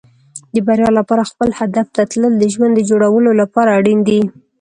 د بریا لپاره خپل هدف ته تلل د ژوند د جوړولو لپاره اړین دي.